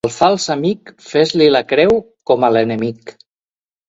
Al fals amic fes-li la creu com a l'enemic.